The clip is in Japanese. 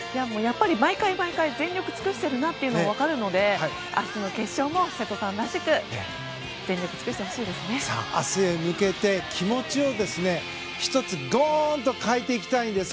毎回全力を尽くしているのが分かるので、明日の決勝も瀬戸さんらしく明日へ向けて気持ちを１つドーンと変えていきたいんです。